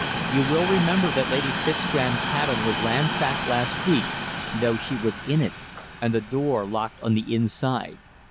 You will remember that Lady Fitzgraham's cabin was ransacked last week, though she was in it, and the door locked on the inside.